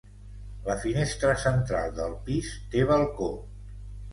La finestra central del pis té balcó.